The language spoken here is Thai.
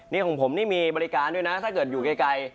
นี่ของผมนี่มีบริการด้วยนะถ้าเกิดอยู่ไกล